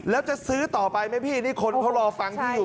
แล้วจะซื้อต่อไปไหมพี่นี่คนเขารอฟังพี่อยู่